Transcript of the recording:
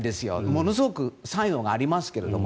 ものすごく才能がありますけど。